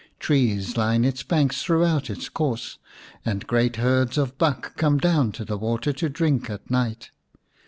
Trees line its banks throughout its course, and great herds of buck come down to the water to drink at night.